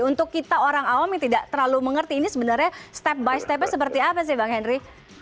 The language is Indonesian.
untuk kita orang awam yang tidak terlalu mengerti ini sebenarnya step by stepnya seperti apa sih bang henry